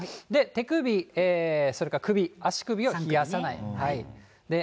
手首、それから首、足首を冷やさない。